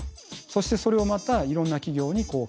そしてそれをまたいろんな企業に共有する。